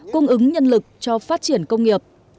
cung ứng nhân lực cho phát triển công nghiệp